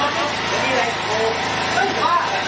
อันดับที่สุดท้ายก็จะเป็น